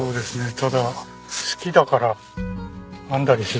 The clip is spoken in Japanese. ただ好きだから編んだりするのが。